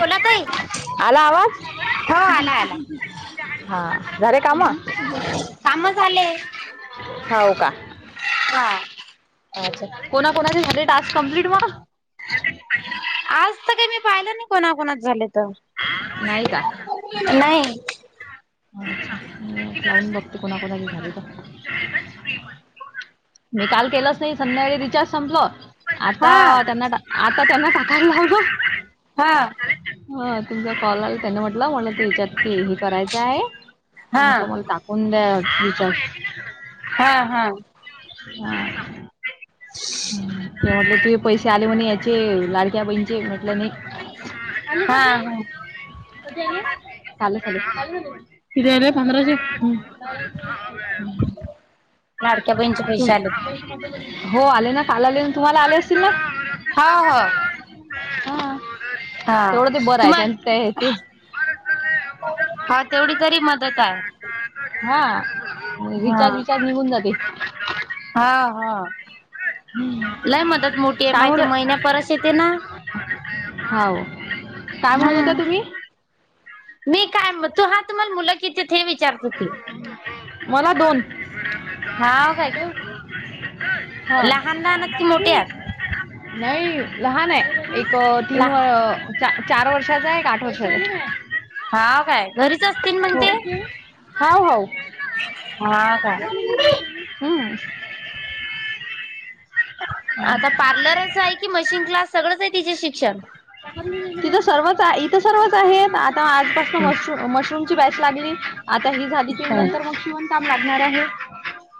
बोला ताई आला आवाज. हो आला आला हा झाले कामं काम झाले होव का? [unintelligible] अच्छा कोणा कोणाचे झाले टास्क कम्प्लीट मग. आज तर काही मी पाहिलं नाही कोणा कोणाचे झालेत. नाही का. नाही. अच्छा लावून बघते कोणा कोणाचे झाले तर. मी काल केलंच नाही संध्याकाळी रिचार्ज संपल हा आता त्यांना आता त्यांना टाकायला लावला हा. ह तुमचा कॉल आला त्यांना वाटल विचार ते हे करायचा आहे. त म्हटलं हा मला टाकून द्या रिचार्ज. हा हा.. हा ते म्हटले ते पैसे आले म्हणे याचे लाडक्या बहीणीचे म्हटलं नाही. हा हा. कधी आले कालच आले किती आले पंधराशे. लाडक्या बहिणीचे पैसे आले [unintelligible] हो आले ना काल आले ना तुम्हाला आले असतील ना. हा हा हा हा तेवढं ते बरं आहे त्यांचं ते तुम्हाला ते हा तेवढी तरी मदत आहे. हा हा रिचार्ज रिचार्ज निघून जाते. हा हा [unintelligible] लय मदत मोठी आहे काय माहिती म्हणत महिन्या परस येते ना होव काय म्हणत होता हम्म तुम्ही. मी काय तू हा तुम्हाला मुलं किती हे विचार मला दोन. हाव काय हा लहान लहान आहेत की मोठी आहे. नाही लहान आहे एक तीन लहान व चार वर्षाचा ये एक आठ वर्षाचा हाव काय घरीच असते हो हाव होव हा काय. [unintelligible] आता पार्लरच आहे कि मशीन क्लास सगळंच आहे तिचे शिक्षण. तिथं सर्वच आहे इथं सर्वच आहे आता आजपास मशरूम मशरूम. बॅच लागली आता ही झाली की नंतर मग शिवणकाम लागणार आहे.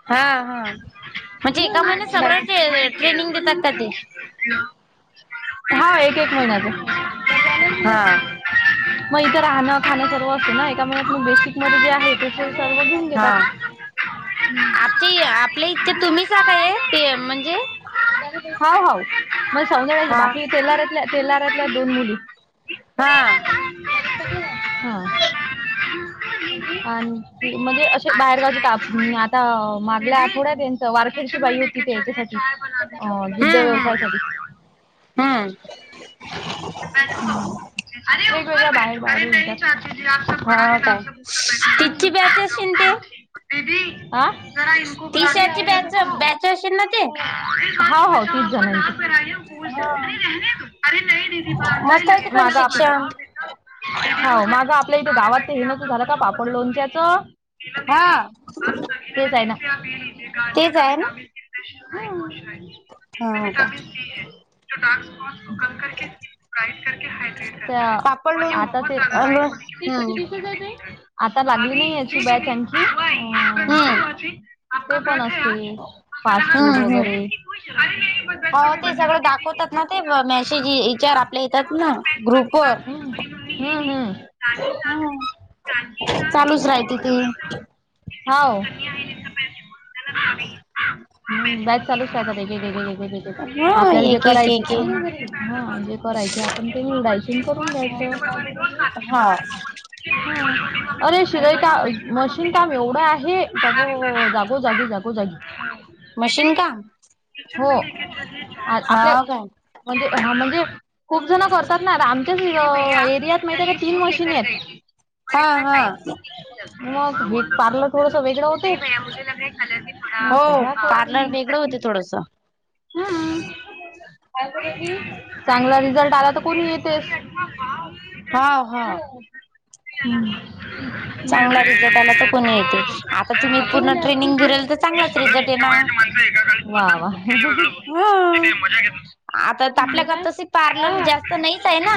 हा हा म्हणजे एका महिन्यात सगळं ट्रे ट्रेनिंग देतात का ते? [unintelligible] हाव एक एक महिन्याच हा मग इथे राहणं खाणं सर्व असतते ना एका महिन्यात बेसिक मध्ये जे आहे ते सर्व घेऊन हा घेतात आकि आपल्या इच्छे तुम्हीच जागा आहे ते म्हणजे हो हो म सौंदाल्याची हा. बाकी टेलरतल्या. तेेलारातल्या दोन मुली हा हा आणि म्हणजे असे बाहेरगावचे आता मागल्या आठवड्यात आहे ना वारखेडची बाई होती ते याच्यासाठी दुद्ध व्यवसायासाठी हू वेगवेगळया बाहेर भारी हाव काय. होत्या तिची बॅच अशीन ते [inaudible] दीदी जरा इनको बुला तिशाची लीजीये बॅच इनको बॅच अशीन ना ते? इनको हो हो तीस जणांचं हा अरे नही दिदी भान्जा ही मस्त आहे ते लगेगा पण ना शिक्षण. हमारा हो माझ आपल्या इथे गावात ते हे नवत झालं का पापड लोणच्याच हा हा तेच आहे ना तेच आहे ना? इस्मे हा काय. विटमिन सी हे जो डार्क स्पॉट्स को कम कर के लाइट करके हायड्रेट करता हे पापड और लोन ये बहुत ज्यादा हम्म लाईट होणे हम्म के वजेसे आता लागली नाही याची बॅच यांची तो पण असे फास्टफूड हम्म हम्म वगैरे हो ते सगळं दाखवतात ना ते मेसेज विचार आपल्या हू येतात ना ग्रुप वर हू हू हम्म चांदीच चालूच राहते ते [inaudible] हाव हू बॅच चालूच आहे आता वेगळे वेगळे वेगळे हा आपल्याला जे एक एक करायचय एक एक हा जे करायचे आपण ते निवडायचे करून द्यायच हा ह अरे शिलाई का मशीन काम एवढं आहे अबो जागोजागी जागोजागी [inaudible] मशीन का हो आ- हाव आपल्या काय म्हणजे हा म्हणजे खूप जण करतात ना आमच्याच एरियात माहिते का तीन मशीन आहेत हा हा मग हे पार्लर थोडस वेगळं होते हो पार्लर वेगळं होते थोडस हू चांगला रिझल्ट आला तर कोणीही येतेच हा हा चांगला रिझल्ट आला तर कोणी येते आता तुम्ही हू [inaudible] पूर्ण ट्रेनिंग घेराल तर हे चांगलाच सगळे रिझल्ट मोठ्या येणार वयाची माणसं एकागाडीत वा वा हा आता घेतात. आपल्याकडे बोला तसे अ पार्लर जास्त नाहीच आहे ना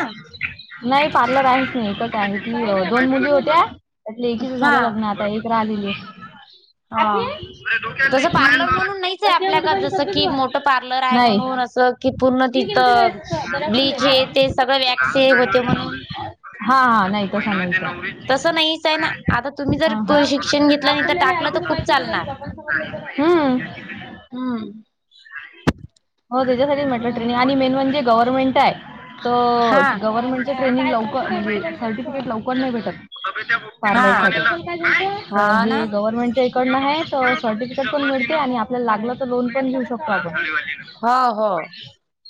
नाही पार्लर आहेच नाही तर दोन मुली होत्या त्यातले एकीच हा झालं लग्न आता एक राहिलेली. आजी हा. हम्म. तसं पार्लर म्हणून नाहीच आहे कशी आपल्याक कुठे जस पाहिजे तब्येत की वर मोठं पार्लर आहे नाही म्हणून असं. कि पूर्ण तुम्ही गेलते काय तिथं तसं दर्यापूरले ब्लीच हे ते सगळं वॅक्स होते म्हणून. हा नाही त समईच. तसं नाहीच आहे ना आता तुम्ही जर हा हा शिक्षण घेतलं नाही तर आपुलेले. टाकलं तर खूप चालणार. [unintelligible] हा. हा. हो त्याच्यासाठी म्हटलं ट्रेनिंग आणि मेन म्हणजे गव्हर्नमेंटाय. तर हा गव्हर्नमेंटच ट्रेनिंग लवकर सर्टिफिकेट लवकर नाही भेटत. हा पार्लर साठी अ हा ना हे गव्हर्नमेंटच्या पण ना हे सर्टिफिकेट पण मिळते आणि आपल्याला लागल तर लोन पण घेऊ शकतो आपण. ह हो.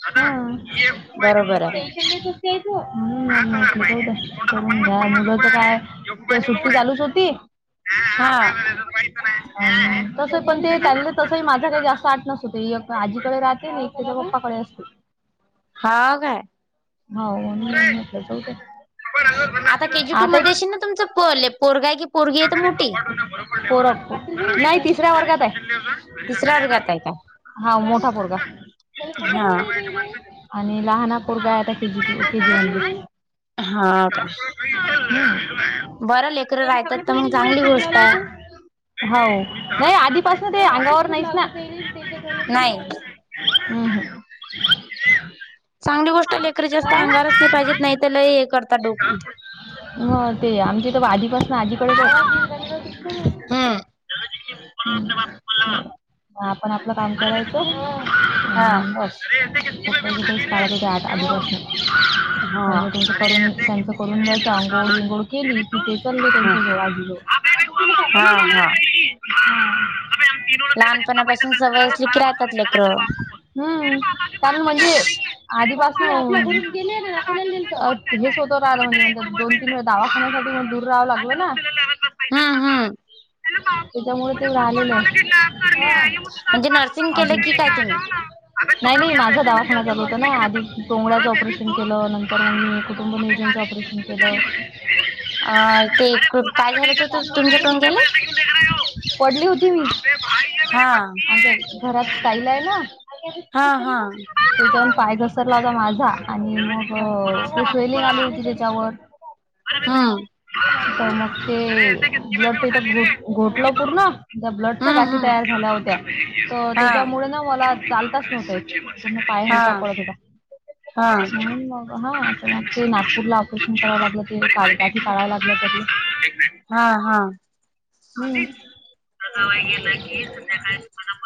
हा. मी बरोबर आहे म्हंटल जाऊद्या [unintelligible] लहान मुलाच काय. काय सुट्टी चालूच होती. हा तस पण ते चाललं तस ही माझा काही जास्त आठ नस होते एक आजीकडे राहते नाही त्याच्या पप्पाकडे. हा काय. हाव म्हणून म्हटलं जाऊद्या. आता केजी टू मध्ये अशीन तुमचं पोल पोरग आहे क पोर नाही तिसऱ्या वर्गात आहे. तिसऱ्या वर्गात आहे काय हाव मोठा पोरगा. हा आणि लहानापोरगा आता के जी के जी मध्ये. हा काय. हम. बरं लेकर रायतात तर मग चांगली गोष्टाय. हाव नाही आधीपासन ते अंगावर नाहीच ना. नाही. ह ह. चांगली गोष्टय लेकर जास्त अंगारच नाही पाहिजेत नाही तर लई हे करत म ते आमचे तर आदिपासन आजीकडेच [unintelligible] हम्म. म आपण आपलं काम करायचं. हा. [unintelligible] करून हा त्यांचं करून द्यायचं आंघोळ विंगोळ केली. हा ते चालले हा त्यांच्या जवळ आजी जवळ हा हा हा. लहानपणापासून सवय असली पैसा की राहतात लेकरं. हम् कारण म्हणजे आधीपासून. [inaudible] दोन तीन वेळा दावाखान्यासाठी म दूर राहावं लागल ना. हम्म हम्म त्याच्यामुळ ते झालेलंय. म्हणजे नर्सिंग केलं अजून की काय तुम्ही नाही नाही माझा दवाखाना चालू होत ना आधी टोंगळाचं ऑपरेशन केलं नंतर मी कुटुंब च ऑपरेशन केल. अ ते काय झालं तर तुमच्या टोंनग्याला. [unintelligible] पडली होती मी [unintelligible] हां [unintelligible] घरात टाईल आहे ना हा हा त्याच्याहून पााय घसरला होता माझा आणि हा मग स्वेलिंग आली म्हणजे त्यावर हम्म [unintelligible] मग ते ब्लड तिथं घोटल पूर्ण त्या ब्लडच्या हम्म गाठी हम्म तयार झाल्या होत्या तर हा त्याच्यामुळे ना मला चालताच नव्हत येत. तर म पाय हा हलका पडत होता [unintelligible] हा ऑपरेशन करावं लागलं [unintelligible] काढावं लागलं हा हा हम [unintelligible]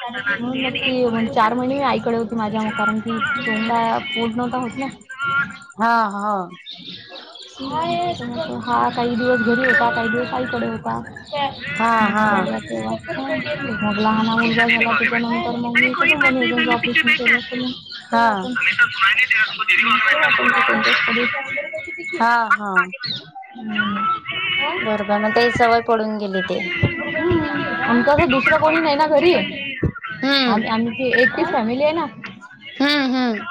म्हणून मग चार महिने मी आईकडे होते माझ्या म कारण की तोंडा पूर नव्हता होत ना हा होव. त्याच्यानंतर हा काही दिवस घरी होता काही दिवस आईकडे होता. [unintelligible] हा हा मग लहाना मुलगा झाला त्याच्यानंतर मग कुटूंब नियोजनच ऑपरेशन केलं हा [unintelligible] हा हा [unintelligible] [unintelligible] ते सवय पडून गेली ते हम्म आणि कसं दुसरं कोणी नाही ना घरी आम हम्म एक एकटी फॅमिली आहे ना हम्म हम्म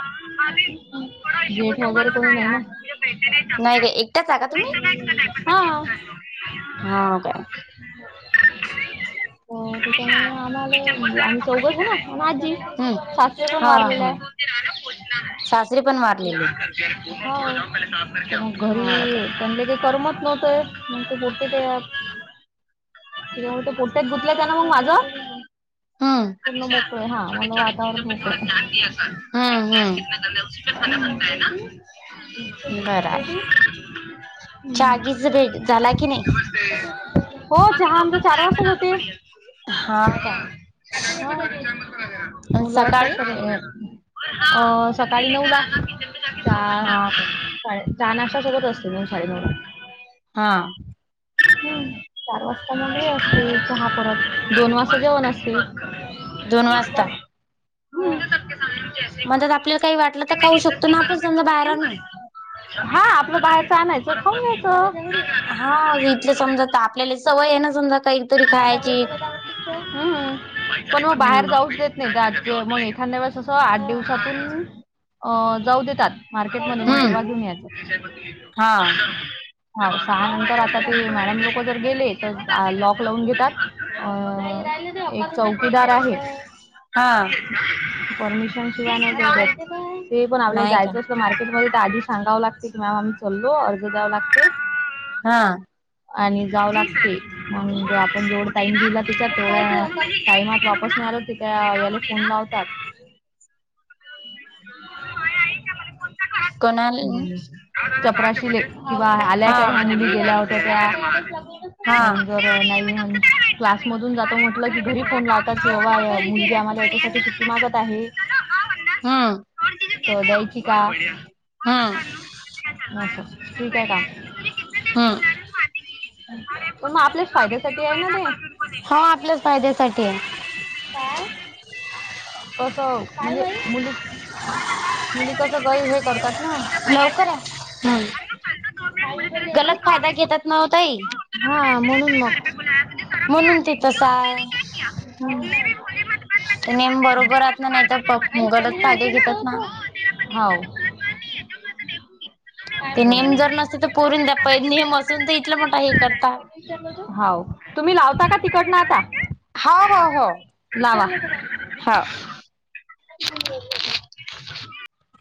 जेठ वगैरे कुणी नाही ना हा अ नाही का एकटाच आहे का तुम्ही हाव काय त्याच्यामुळे आम्हाले आम्ही चौघेच हाय ना आणि आजी हम्म सासरे पण हा वारलेले हा आहे. सासरी पण वारलेले होव तर मग घरी हाव काय त्यांले काही करमत नव्हत. [unintelligible] त्याच्यामुळं त्या पोट्यात गुतलच आहे ना माझं हा पूर्ण भरतोय हा मग वातावरण हम्म हम्म होतय. [unintelligible] बर आहे चागीच भेट झाला की नाही. हो चहा आमच चार वाजताच होतय. हा काय होय अन मुलं असतात सकाळी सर्व अ सकाळी नऊला चा हा काय चहा नाश्ता सोबत असतो नऊ-साडेनऊला हा हम्म चार वाजता मग हे असते चहा परत दोन वाजता जेवण असतेय. दोन वाजता म्हणतात आपल्याला काही वाटलं तर खाऊ शकतो ना आपण समजा बाहेर आणून [unintelligible] [unintelligible] हा आपलं बाहेरच आणयचं खाऊन घ्यायचं. हा इथल समजा तर आपल्याला सवय आहे ना समजा काही हम पण मग बाहेर हम्म जाऊच देत नाही मग एखांद्या वेळेस असं आठ दिवसातून अ जाऊ देतात. मार्केट मध्ये मग हम्म तेव्हा घेऊन यायचं. [unintelligible] हा हा सहा नंतर आता ते मॅडम लोक जर गेले तर लॉक- क लावून घेतात अ एक चौकीदार आहे. [inaudible] हा परमिशन शिवाय नाही ते पण आपल्याला नाही का जायचं असत मार्केट- आधी सांगावं लागते की मॅम आम्ही चाललो अर्ज द्याव लागते. हा आणि जावं लागते. म्हणजे आपण जेवढ टाइम दिला, तिच्या टाइमात वापस नाही आलो तिथ याला फोन लाव- कोणाला [unintelligible] हं चपराशिले किंवा आल्या हा का हया हा मुली गेल्या हा वं - [unintelligible] तर नाही क्लासमधून जातो म्हटलं की घरी फोन लावतात कि बा या मुलगी आम्हाला यांच्यासाठी सुट्टी मागत- आहे. हं शोधायची का? हम्म नको. ठीक आहे काकू. हं पण म आपल्याच फायद्यासाठी आहे ना ते. हो आपल्याच फायद्यासाठी आहे. काय? [unintelligible] कसं म्हणजे मुली म्हंजे कसं गई हे करतात ना [unintelligible] लवकर आहे. [unintelligible] गलत फायदा घेतात नावं ताई. हा म्हणून मग. म्हणून ते तसाय. [unintelligible] ते नियम बरोबर असं नाहीतर प गलत फायदे घेतात ना. [unintelligible] हाऊ ते नेम जर नसते तर पोरींना प नेम असून तर इथला मोठा हे करत हाऊ तुम्ही लावता का तिकडना आता? लावा. हा